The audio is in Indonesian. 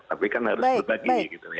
tapi kan harus berbagi gitu